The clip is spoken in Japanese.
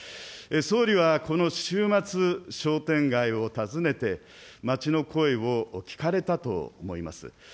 総理はこの週末、商店街を訪ねて、街の声を聞かれたと思います。